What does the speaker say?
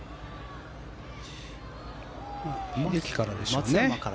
英樹からでしょうね。